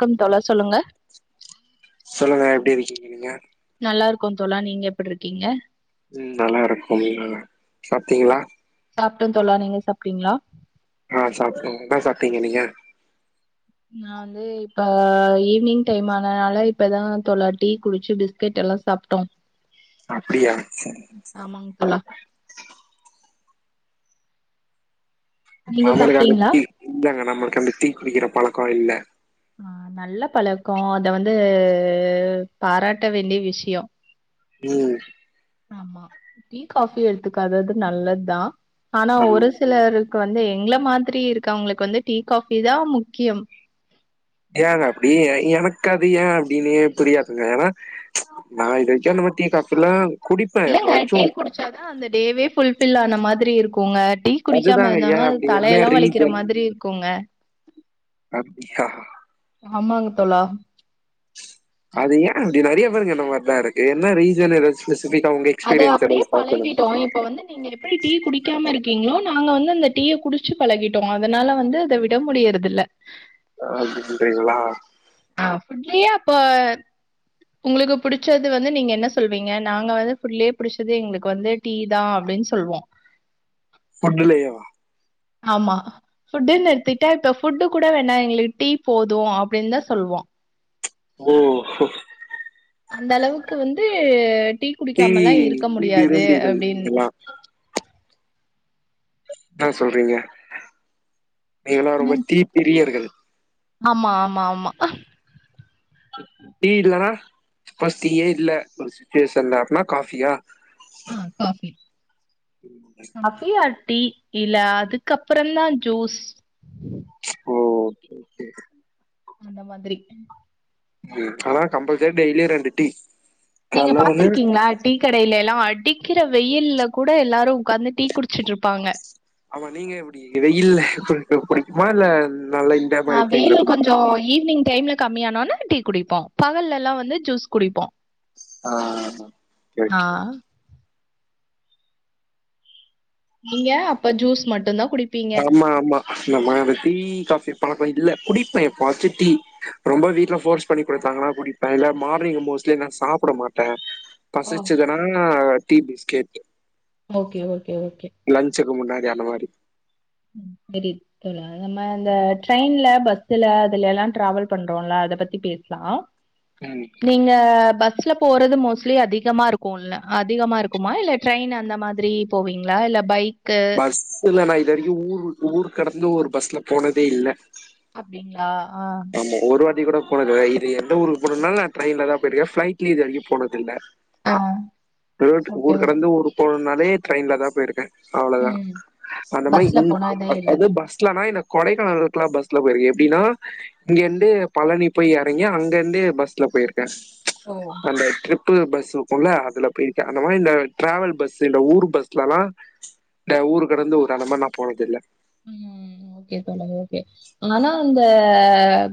க்கம் தோழா சொல்லுங்க. சொல்லுங்க எப்டி இருக்கீங்க நீங்க? நல்லாருக்கோ தோழா நீங்க எப்ட்ருக்கீங்க? ம் நல்லாருக்கோம் நீ நல்லா சாப்ட்டிங்களா? சாப்ட்டந் தோழா நீங்க சாப்டிங்ளா? ஆ சாப்டங் என்னா சாப்ட்டிங்க நீங்க? நா வந்து து இப்ப ஈவ்னிங் டைம் ஆனனால இப்பதா தோழா டீ குடிச்சு பிஸ்கெட் எல்லா சாப்ட்டோ. அப்டியா செரிங் செ ஆமாங் தோழா. நீங்க நம்மளுக்கு அந்த சாப்ட்டீங்களா டீ இல்லங்க நம்மளுக்கு அந்த டீ குடிக்கிற பழக்கோ இல்ல. ஆ நல்ல பழக்கோ அத வந்து பாராட்ட வேண்டிய விஷ்யோ. ம். ஆமா டீ காஃபி எடுத்துக்காதது நல்லத்தா ஆனா ஆமா ஒரு சிலரு க்கு வந்து எங்கள மாதிரி இருக்கவங்களுக்கு வந்து டீ காஃபி தா முக்கியம். ஏங்க அப்டி எ எனக்கு அது ஏ அப்டினே புரியாதுங்க ஏனா நா இதுவரைக்கு அந்த மாரி டீ காஃபில்லா இல்லங்க டீ குடிச்சாதா அந்த டேவே ஃபுல்ஃபில் ஆன மாதிரி இருக்குங்க. டீ குடிக்காம அதுதாங்க ஏ இருந்தாதா அது அப்டி என்ன தலையெல்லா வலிக்கிற ரீசன் மாதிரி இருக்குங்க. அப்டியா ஆமாங்க தோழா அது ஏ அப்டி நெறைய பேருக்கு இந்த மார்தா இருக்கு என்ன ரீசன் எதாச் ஸ்பெசிபிக்கா உங்க அது எக்ஸ்பீரியன்ஸ் அப்படியே எதாவ் ஷேர் பண்ணுங்க பழகிட்டோ இப்ப வந்து நீங்க எப்டி டீ குடிக்காம இருக்கீங்ளோ நாங்க வந்து அந்த டீய குடிச்சு பழகிட்டோ அதனால வந்து அத வி விட முடியறதில்ல அப்டின்றீங்ளா அப்டியாப்பே உங்ளுக்கு புடிச்சது வந்து நீங்க என்ன சொல்வீங்க நாங்க வந்து ஃபுல்லியே புடிச்சது எங்ளுக்கு வந்து டீ தா அப்டின் சொல்வோ ஃபுட்டுலேவா ஆமா ஃபுட்டுன்னு எட்த்துகிட்டா இப்ப ஃபுட்டு கூட வேணா எங்ளுக்கு டீ போது அப்டின்தா சொல்வோ ம் அந்தளவுக்கு வந்து டீ குடிக்காமலா இருக்க டீ முடியாது விரும்பிகள் அப்டின் நீங்களா னா சொல்றீங்க நீங்களா ரொம்ப என்னங் டீப் பிரியர்கள் ஆமா ஆமா ஆமா டீ இல்லனா ப்பாஸ் டீயே இல்ல ஒரு சுச்சுவேஷன்ல அப்புனா காஃபியா ஆ coffee um coffee or tea இல்ல அதுக்கப்பறந்தா ஜூஸ் ஓ ஓகே ஓகே அந்த மாதிரி ம் ஆனா கம்பல்சரி டெய்லி ரெண்டு டி நீங்க பாத்ருக்கீங்ளா டீ கடைல எல்லா அடிக்கிற வெயில்ல கூட எல்லாரு உக்காந்து டீ குடிச்சிட்ருப்பாங்க ஆமா நீங்க எப்டி வெயில்ல குடிக்க பிடிக்குமா இல்ல நல்லயி ஆ வெயில்ல கொஞ்சோ ஈவி்னிங் டைம்ல கம்மியானோன டீ குடிப்போ பகல்ல எல்லா வந்து ஜூஸ் குடிப்போ ஆ ஓகே ஓகே நீங்க அப்ப ஜூஸ் மட்டுந்தா குடிப் ஆமா ஆமா இந்த மாரி டீ, காஃபி பழக்கோ இல்ல குடிப்பே எப்பவாச்சோ டீ, ரொம்ப வீட்ல ஃபோர்ஸ்ப் பண்ணி குடுத்தாங்கனா குடிப்பே இல்ல மார்னிங் மோஸ்ட்லி நா சாப்ட மாட்டே ஓ பசிச்சதுனா tea biscuit okay okay okay லஞ்சுக்கு முன்னாடி அந்த மாரி ம் தெரிது தோழா நம்ம இந்த ட்ரெயின்ல பஸ்ல அதுல எல்லா டிராவல் பண்றோல அத பத்தி பேச்லா ம் நீங்க பஸ்ல போறது மோஸ்ட்லி அதிகமா இருக்குல்ல அதிகமா இருக்குமா இல்லட் ட்ரெயின் அந்த மாதிரி போவீங்ளா இல்ல பைக்கு பஸ்சுல நா இது வரைக்கு ஊர் விட்டு ஊர் கடந்து ஒரு பஸ்ல போனதே இல்ல அப்டிங்ளா ஆ ஆமா ஒரு வாட்டி கூட போனதுல்ல இது எந்த ஊருக்கு போனுனாலு நா ட்ரயின்லதா போயிருக்கே பிளைட்லியு இது வரைக்கு போனதில்ல ஆ ஓகே ஊர் ஓகே கடந்து ஊருக்கு போணுன்னாலே ட்ரெயின்ல தா போயிருக்கே அவ்ளோதா ம் அந்த மாரி பஸ்ல இங் போனா இதே இல்ல அது பஸ்லனா எனக் கொடைக்கானலுக்லா பஸ்ல போயிருக்கு எப்டின்னா இங்க இருந்து பழனி போய் எறங்கி அங்க இருந்து பஸ்ல போயிருக்கே ஓ அந்த ட்ரிப்பு பஸ்சு இருக்குல்ல அதுல போயிருக்கஅந்த மாரி இந்த டிராவல் பஸ் இந்த ஊர் பஸ்ல எல்லா இந்த ஊர் கடந்து [unintelligible] மாரி நா போனதில்ல ம் ஓகே தோழர் ஓகே ஆனா அந்த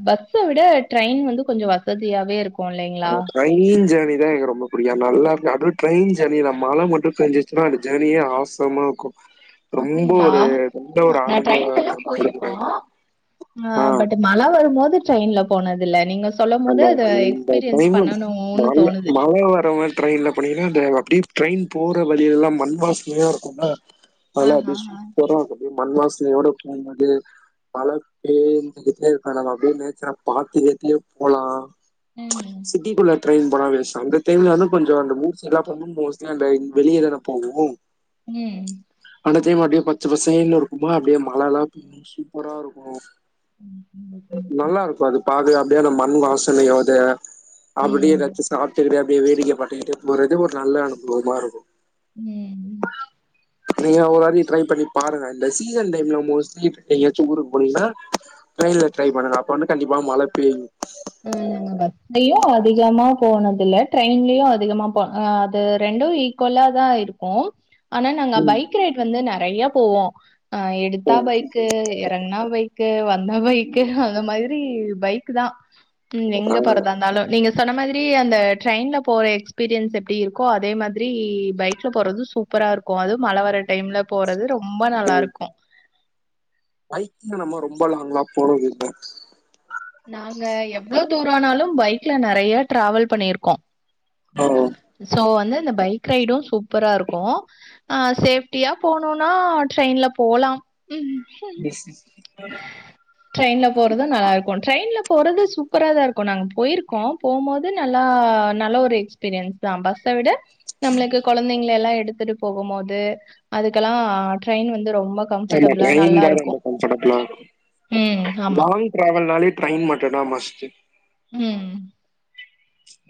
பஸ்ச விட ட்ரெயின் வந்து கொஞ்சோ வசதியாவே இருக்கு இல்லிங்களா ட்ரெயின் ஜோர்னி தா எனக்கு ரொம்ப புடிக்கு நல்லாருக்கு அதுவு ட்ரெயின் ஜோர்னியில மழ மட்டு பேஞ்சுரு ச்சுனா அந்த ஜோர்னியே ஆசமாக இருக்கு ரொம்ப அப்டிங்களா ஒரு நல்ல ஒரு நா அனுபவ ட்ரெயின்ல எல்லா போயிருக்கோ குடுக்குறாங்க ஆ பட் ம மழ வரும்போது ட்ரெயின்ல போனதில்ல நீங்க சொன் அந்த அந்த டைமு மழ தோணுது. மழ வர மாரி ட்ரெயின்ல போனீங்கன்னா அந்த அப்படியே ட்ரெயின் போற வழியெல்லா மண் வாசனையா இருக்குமா அதெல்லா ஆஹஹா அப்டியே சூப்பரா இருக்கு அப்டியே மண் வாசனையோடு போம் போது மழ பெய்ந்துகிட்டே இருக்க நம்ம அப்டியே நேச்சரா பாட்டு கேட்டுடே போலா ம் சிட்டிக்குள்ள ட்ரெயின் போன வேஸ்ட் அந்த டைம்ல வந்து கொஞ்சோ அந்த மூஸ் எல்லா பக்கமு மோஸ்ட்லி அந்த ட்ரெயின் வெளிய தானே போகு ம் அந்த டைம் அப்டியே பச்ச பசேன்னு இருக்குமா அப்டியே மல எல்லா சூப்பரா இருக்கு நல்லா இருக்கு அத பாக்க அப்படியே அந்த மண் வாசனையோடு அப்டியே ம் எதாச்சு சாப்ட்டுக்கிட்டே அப்டியே வேடிக்க பாத்துட்டு போறது ஒரு நல்ல அனுபவமா இருக்கு ம் ஆஹ நீங்களு ஒரு வாட்டி ட்ரை பண்ணி பாருங்க இந்த சீசன் டைம்ல மோஸ்ட்லி எங்கயாச்சு ஊருக்கு போனீங்கன்னா ட்ரெயின்ல ட்ரை பண்ணுங்க அப்ப வந்து கண்டிப்பா மழ பெய்யு அ நாங்க பஸ்லயு அதிகமா போனதில்ல ட்ரெயின்லயு அதிகமா போ அது ரெண்டு ஈக்குல்லா தா இரு க்கு ஆனா நாங்க ம் பைக் ரைட் வந்து நெறையா போவோ ஆ எடுத்தா ம் பைக்கு எறங்ன்னா பைக் கு வந்தா பைக்கு ம் அந்த மாரி பைக் தா ம் எங்க ஆ போறதா இருந்தாலு நீங்க சொன்ன மாதிரி அந்த ட்ரெயின்ல போற எக்ஸ்பீரியன்ஸ் எப்டி இருக்கோ அதே மாதிரி பைக்ல போறது சூப் சூப்பரா இருக்கு அதுவு மழ வர டைம்ல போறது ரொம்ப நல்லா இருக்கு பைக்கில நம்ம ரொம்ப லாங்ல்லா போறதில்ல நாங்க எவ்ளோ தூரனாலு பைக்ல நெறைய டிராவல் பண்ணி இருக்கோ ஓ சோ வந்து இந்த பைக் ரைட்டு சூப்பரா இருக்கு ஆ சேஃப்டியா போனுன்னா ட்ரெயின்ல போலா ம் ஸ் ட்ரெயின்ல போறது நல்லா இருக்கு ட்ரெயின்ல போறது சூப்பரா தா இருக்கு நாங்க போயிருக்கோ போம்போது ந்து நல்லா நல்ல ஒரு எக்ஸ்பீரியன்ஸ் தா பஸ்ஸ விட நம்மளுக்கு கொழந்தைங்கள எல்லா எடுத்துட்டு போம் போது அதுக்கெல்லா ட்ரெயின் வந்து ரொம்ப ஆமா கம்ஃபர்ட்டாளா ட்ரெயின் நல்லா தா இருக்கு ரொம்ப கம்ஃபர்டபுளா லாங் டிராவல்னாலே ட்ரெயின் மட்டுதா மஸ்ட்டு ம்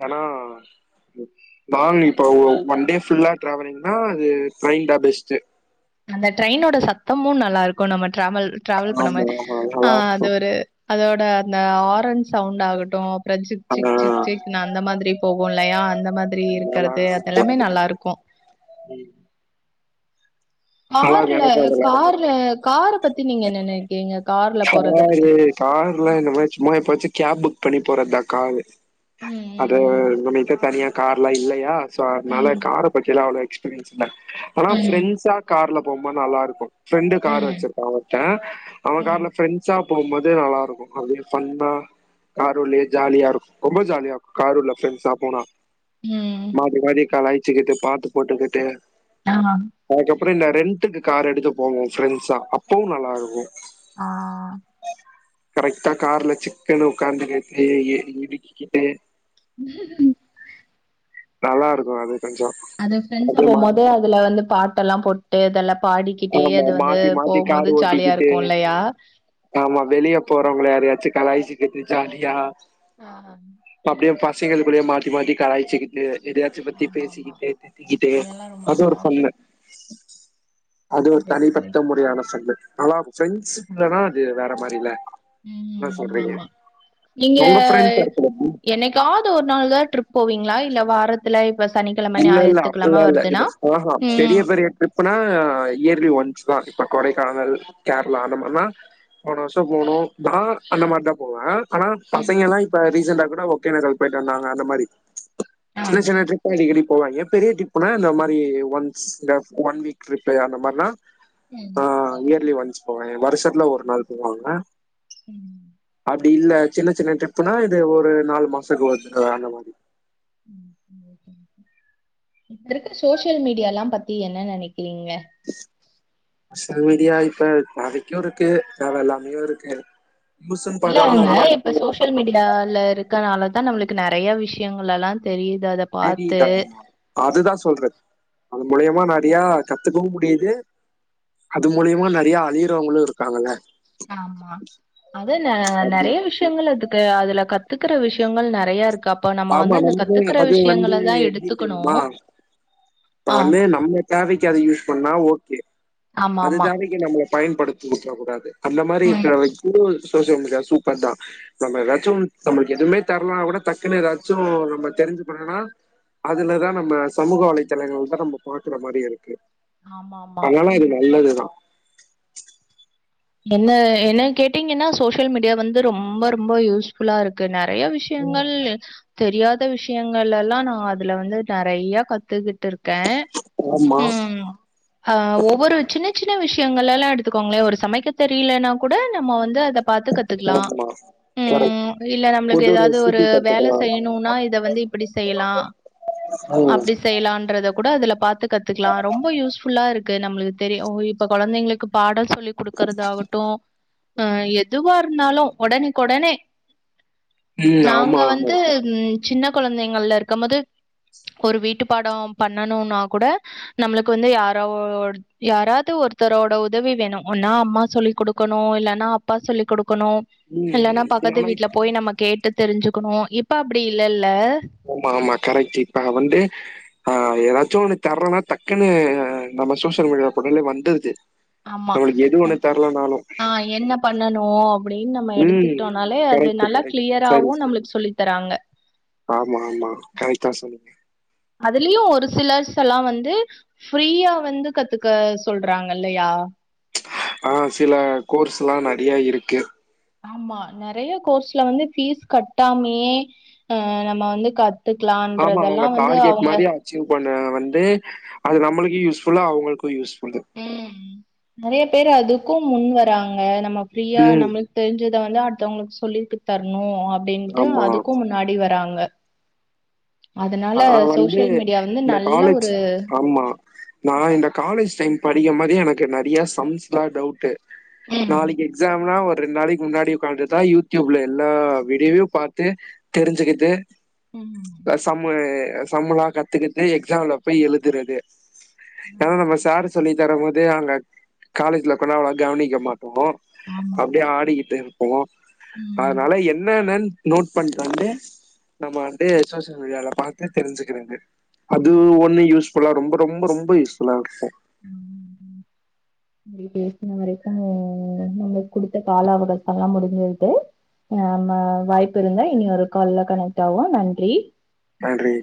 ஆனா நா இப்ப ஒன்டே ஃபுல்லா டிராவலிங்னா அது ட்ரெயின் தா பெஸ்ட் அந்த ட்ரெயினோட சத்தமு நல்லா இருக்கு நம்ம ட்ராவல் ட்ராவல் பண்ணம ஆமா ஆமா ஆ அது நல்லாருக்கு ஒரு அதோட அந்த ஆரண் சவுண்ட் ஆகட்டு அப்றோ சிக் ஆ சிக் சிக் சிக் நா அந்த மாதிரி போகு இல்லையா அந்த மாதிரி இருக்கறது அதெல்லாமே நல்லா இருக்கு ம் இருக்கு கார்ல எனக்கு அதெல்லா ரொம்ப காரு புடிக்கு கார பத்தி நீங்க என்ன நெனைக்கிறீங்க கார்ல போறத பத்தி கார்ல இந்த மாரி சும்மா எப்போவாச்சு கேப் புக் பண்ணி போறதுதா காரு ம் அது நம்மகிட்ட தனியா கார்லா இல்லையா சோ அதனால ம் கார பத்தி எல்லா அவ்ளோ எக்ஸ்பீரியன்ஸ் இல்ல ஆனா ம் ஃப்ரெண்ட்ஸா கார்ல போம்போது நல்லா இருக்கு ஃப்ரெண்டு கார் ம் வச்சிருக்கான் ஒருத்த அவன் ம் கார்ல ஃப்ரெண்ட் ஸ்சா போபோது நல்லா இருக்கு அதையு ஃபண்தா காருலயே ஜாலியா இருக்கு ரொம்ப ஜாலியா இருக்கு காருள்ள ப்ரெண்ட்ஸா போனா ம் மாரி மாரி கலாய்ச்சுக்கிட்டு பாட்டு போட்டுக்கிட்டு ஆ அதுகப்பறோ இந்த ரெண்ட்டக்கு கார் எடுக்க போவோ ஃப்ரெண்ட்ஸா அப்பவு நல்லா இருக்கு ஆ கரெக்டா கார்ல சிக்குனு உக்காந்துகிட்டு இருக்கி கிட்டு உ நல்லா இருக்கு அது கொஞ்சோ அது ஃப்ரெண்ட்ஸ போமோது அதுல வந்து பாட்ட எல்லா போட்டு அதெல்லா பாடிகிட்டே ஆமா அது வந்து மாத்தி மாத்தி கார் போபோது ஜாலியா ஓட்டிக்கிட்டு இருக்கு இல்லயா ஆமா வெளிய போறவங்கள யாரயாச்சு கலாய்ச்சுகிட்டு ஜாலியா ஆ அப்டியே பசங்களுக்குள்ளே மாத்தி மாத்தி கலாய்ச்சு கி ட்டு எதாச்சும் பத்தி ஆமா ஆமா பேசிக்கிட்டு திட்டிக்கிட்டு அதெல்லா ரொம்ப அது நல்லா ஒரு இருக்கு ஃபண்ணு அது ஒரு கரெக்ட் தனிப்பட்ட கரெக்ட் முறையான சங்க ஆன ஃப்ரெண்ட்சுகுல்லனா அது வேற மாரில ம் ஆமா நீங்க உங்க ஃப்ரெண்ட்ஸ் இருக்கிறது எனக் ஏதாவது ஒரு நாள் தா ட்ரிப் போவீங்ளா இல்ல வார இல்ல இப்ப சனிக்கிழம இல்ல இல்ல ஞாயித்துக்கிழம அப்பல்லாம் வருதுன்னா ம் எப்பனா இயர்லி ஒன்ஸ் தா இப்ப கொடைக்கானல் கேரளா அந்த மாரினா போன வருஷம் போனோ நா அந்த மாரிதா போவ ஆனா ம் பசங்கலா இப்ப ரீசண்டா கூட ஓகேனகல் போயிட்டு வந்தாங்க அந்த மாரி ஆ சின்ன சின்ன ட்ரி ப்பு அடிக்கடி போவாங்க பெரிய ட்ரிப்னா இந்த மாதிரி ஒன்ஸ் ஒன் வீக் ட்ரிப் அந்த மார்னா ம் ஆ இயர்லி ஒன்ஸ் போவ வருஷத்துல ஒரு நாள் போவாங்க ம் அப்டி இல்ல சின்ன சின்ன ட்ரிப்னா இது ஒரு நாலு மாச ஒருக்கா அந்த மாரி ம் ம் ஓகே ஓகே இப்ப இருக்க சோசியல் மீடியால்லா பத்தி என்ன நெனைக்கிறீங்க சல் மீடியா இப்ப தேவைக்கு இருக்கு தேவ இல்லாமையு இருக்கு யூஸ்சுன் பாத்தா நறையா இருக்கு சோஷியல் மீடியால இருக்கனால தா நம்மளுக்கு நெறைய விஷயங்கள் எல்லா தெரியுது அத பாத்து. தெரிதா அது தா சொல்ற அது மூலியமா நறையா கத்துக்கவு முடிது அது மூலியமா நறையா அழியிறவங்களு இருக்காங்கல்ல ஆமா அது ந அது நறைய விஷய விஷயங்கள் அதுக்கு அதுல கத்துக்கற விஷயங்கள் நெறய இருக்கு அப் இப்ப நம்ம ஆமா வந்து அந்த நம்ம கத்துக்கற அது வந்து விஷயங்களதா எப்டி எடுத்துக்கணு தெரியுமா இப்ப வந்து நம்ம தேவைக்கு அத யூஸ் பண்ணா ஓகே அது ஆமாமா. தேவைக்கு நம்மள பயன்படுத்திக்க வுட்ற கூடாது அந்த மாரி ம். இருக்குற வரைக்கு சோசியல் மீடியா சூப்பர் தா நம்ம ஏதாச்சும் நம்ளுக்கு எதுவுமே தெர்லனா கூட தக்குன்னு எதாச்சு நம்ம தெரிஞ்சு பண்ணணுனா அதுலதா நம்ம சமூக வலை [unintelligible] தா நம்ம பாக்குற மாரி இருக்கு ஆமாமா. அனால ம். இது நல்லது தா என்ன என்ன கேட்டீங்கன்னா சோசியல் மீடியா வந்து ரொம்ப ரொம்ப யூஸ்ஃபுல்லா இருக்கு நெறய விஷ் விஷயங்கள் தெரியாத விஷயங்கள்லல்லா நா அதுல வந்து நெறய கத்துக்குட் டுருக்கே ஆமா ம் ஆஹ் ஒவ்வொரு சின்ன சின்ன விஷயங்கள எல்லா எடுத்துக்கோங்களே ஒரு சமைக்க தெரியலனா கூட நம்ம வந்து அத பாத்து கத்துக்லா ஆமா கரெக்ட் ம் இல்ல நம்ளுக்கு புது ஏதாவது ஒரு ரெசிபி வேலை கத்துக்கலா செய்யணுனா இத வந்து இப்டி செய்யலா ம் செய்யலான்றத கூட அதுல பாத்து கத்துகலா ரொம்ப யூஸ்ஃபுல்லா இருக்கு நம்மளுக்கு தெரியும் இப்போ கொழந்தைங்களுக்கு பாடோ சொல்லி க்கறதாகட்டு அ எதுவா இருந்தாலு உடனக் உடனே ம் நாங்க ஆமா ஆமா வந்து சின்ன கொழந்தைங்கள்ல இருக்கம் போது ஒரு வீட்டு பாடோ பண்ணனுனா கூட நம்ளுக்கு வந்து யாராவ யாராவது ஒருத்தரோட உதவி வேணு ஒன்னா அம்மா சொல்லி குடுக்கணு இல்லன்னா அப்பா சொல்லி குடுக்கணு ம் இல்லன்னா ம் பக்கத்து ஆனா வீட்ல இப் போய் நம்ம கேட்டு தெரிஞ்சுக்கணு இப்ப அப்டி இல்லல்ல ஓமா ஆமா கரெக்ட்டு இப்ப வந்து ஆ எதாச்சு ஒன்னு தர்லனா தக்குன்னு நம்ம சோசியல் மீடியாவ போட்டாலே வந்துருது ஆமா நம்ளுக்கு எது ஒன்னு தெர்லனா ஆ என்ன பண்ணனு அப்டின் நம்ம ம் எடுத்துக்கிட்டோனாலே அது கரெக்ட் நல்லா கரெக்ட் சரி கிளியராவு சரி நம்ளுக் சொல்லி தராங்க ஆமா ஆமா கரெக்ட்டா சொன்னீங்க அதுலயு ஒரு சிலர்ஸ்சல்லா வந்து ஃப்ரீயா வந்து கத்துக்க சொல்றாங்கல்லயா ஆ சில கோர்ஸ்ல்லா நெறயா இருக்கு ஆமா நெறய கோர்ஸ்ல வந்து ஃபீஸ் கட்டாமயே அ நம்ம வந்து கத் த்துக்கலான்றதெல்லா வந்து அவங்க அச்சிவ் பண்ண வந்து அது நம்மளுக்கு யூஸ்ஃபுல்லு அவங்களுக்கு யூஸ்ஃபுல்லு ம் நெறய பேர் அதுக்கு முன் வராங்க நம்ம ஃப்ரீயா ம் நம்ளுக் தெரிஞ்சத வந்து அடுத்தவங்களுக்கு சொல்லித் தரணு அப்டின்ட்டு ஆமா அதுக்கு முன்னாடி வராங்க அதனால நா வந்து சோசியல் மீடியா வந்து இந்த நல்ல காலேஜ் ஒரு ஆமா நா இந்த காலேஜ் டைம் படிக்க மாரி எனக்கு நெறய சம்ஸ்லா டவுட்டு ம் நாளைக்கு எக்ஸாம்னா ஒரு ரெண்டு நாளைக்கு முன்னாடி உக்காந்துதா யூடியூப்ல எல்லா வீடியோவயு பாத்து தெரிஞ்சுக்கிட்டு ம் சம்மு சம்முளா கத்துக்கிட்டு எக்ஸாம்ல போய் எழுதுறது ஏன்னா நம்ம சார் சொல்லி தரும் போது அங்க காலேஜ்ல கூடோ அவ்ளவா கவனிக்க மாட்டோ ஆமா அப்டியே ஆடிக்கிட்டு இருப்போ ம் அதனால என்னனன் நோட் பண்டுவந்து நம்ம வந்து சோசியல் மீடியால பாத்து தெரிஞ்சுக்கிறது அது ஆமா ஒண்ணு யூஸ்ஃபுல்லா ரொம்ப ரொம்ப ரொம்ப யூஸ்புல்லா இருக்கு இப்டே பேசின வரைக்கு நம்மளுக்கு குடுத்த கால அவகாசல்லா முடிஞ்சுவிட்டு நாம வாய்ப்பு இருந்தா இனி ஒரு கால்ல கனெக்ட் ஆவோ நன்றி நன்றி